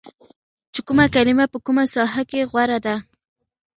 چې کومه کلمه په کومه ساحه کې غوره ده